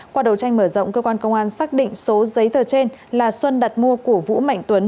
qua đầu tranh mở rộng cơ quan công an xác định số giấy tờ trên là xuân đặt mua của vũ mạnh tuấn